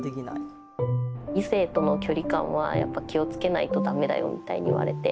「『異性との距離感はやっぱ気を付けないとダメだよ』みたいに言われて」。